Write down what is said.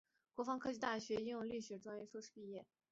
国防科技大学应用力学专业硕士毕业。